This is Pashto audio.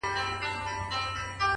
مثبت ذهن پر حل تمرکز ساتي؛